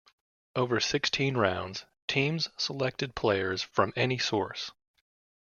Over sixteen rounds, teams selected players from any source.